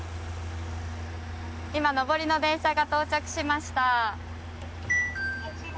今、上りの電車が到着しました。